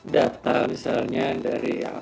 data misalnya dari